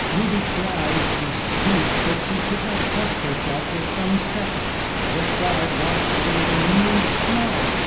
Ruby tried to speak, but she could not trust herself for some seconds. Despard watched her with an amused smile.